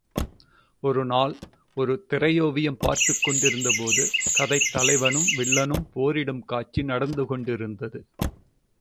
ஒரு நாள் ஒரு திரையோவியம் பார்த்துக் கொண்டிருந்தபோது, கதைத் தலைவனும் வில்லனும் போரிடும் காட்சி நடந்துாெண்டிருந்தது.